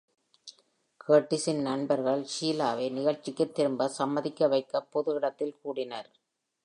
Curtis இன் நண்பர்கள் ஷீலாவை நிகழ்ச்சிக்குத் திரும்ப சம்மதிக்க வைக்கப் பொது இடத்தில் கூடினர்.